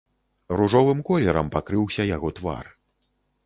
Ружовым колерам пакрыўся яго твар.